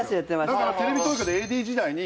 だからテレビ東京でＡＤ時代に。